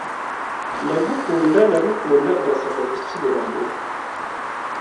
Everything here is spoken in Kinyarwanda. ndagukunda ndagukunda urasabwa gusubira murugo